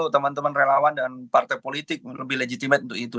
teman teman relawan dan partai politik lebih legitimate untuk itu